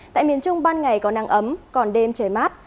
tại miền trung ban ngày có nắng ấm còn đêm trời mát